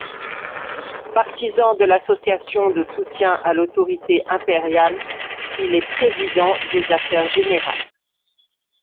Partisan de l'association de soutien à l'autorité impériale, il est président des Affaires générales.